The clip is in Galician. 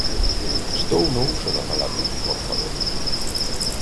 Estou no uso da palabra, por favor.